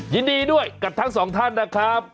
ยินดีกับทั้ง๒ท่านนะครับ